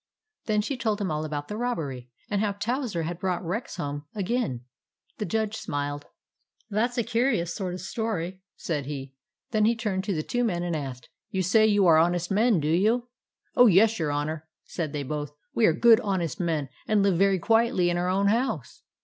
" Then she told him all about the robbery, and how Towser had brought Rex home again. The Judge smiled. " That 's a curious sort of story/' said he. Then he turned to the two men and asked, 11 You say you are honest men, do you ?"" Oh, yes, your Honour," said they both. " We are good, honest men, and live very quietly in our own house."